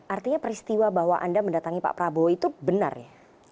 artinya peristiwa bahwa anda mendatangi pak prabowo itu benar ya